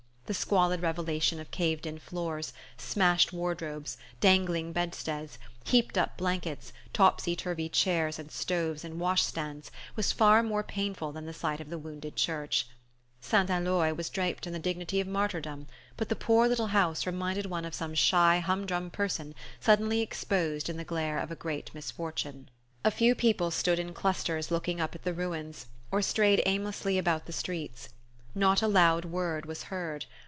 The squalid revelation of caved in floors, smashed wardrobes, dangling bedsteads, heaped up blankets, topsy turvy chairs and stoves and wash stands was far more painful than the sight of the wounded church. St. Eloi was draped in the dignity of martyrdom, but the poor little house reminded one of some shy humdrum person suddenly exposed in the glare of a great misfortune. A few people stood in clusters looking up at the ruins, or strayed aimlessly about the streets. Not a loud word was heard.